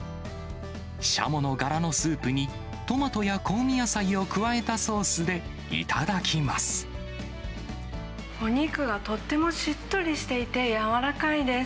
シャモのがらのスープに、トマトや香味野菜を加えたソースで頂きお肉がとってもしっとりしていて、柔らかいです。